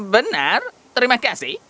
benar terima kasih